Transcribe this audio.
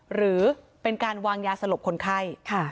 หรือเป็นการวางยาสลบคนไข้